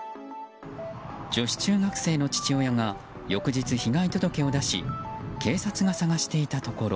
女子中学生の父親が翌日、被害届を出し警察が捜していたところ